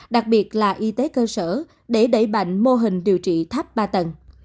đặc biệt là y tế cơ sở để đẩy mạnh mô hình điều trị tháp ba tầng